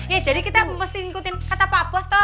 ya jadi kita mesti ngikutin kata pak bos toh